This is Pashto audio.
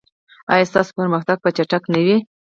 ایا ستاسو پرمختګ به چټک نه وي؟